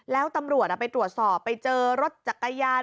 แล้วตำรวจไปตรวจสอบไปเจอรถจักรยาน